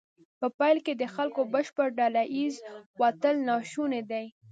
په پیل کې د خلکو بشپړ ډله ایز وتل ناشونی دی.